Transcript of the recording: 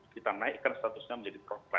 kita naikkan statusnya menjadi